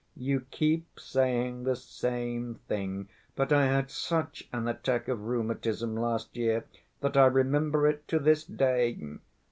"You keep saying the same thing; but I had such an attack of rheumatism last year that I remember it to this day."